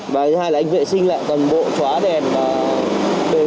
và thứ hai là anh vệ sinh lại toàn bộ chóa đèn đôi mặt ốp đèn nhé